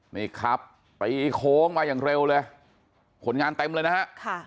นี่ครับตีโค้งมาอย่างเร็วเลยผลงานเต็มเลยนะฮะ